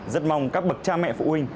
rất mong các bậc cha mẹ phụ huynh